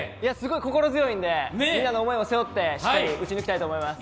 心強いので、みんなの思いを背負って打ち抜きたいと思います。